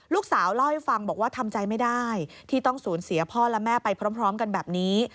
เล่าให้ฟังบอกว่าทำใจไม่ได้ที่ต้องสูญเสียพ่อและแม่ไปพร้อมกันแบบนี้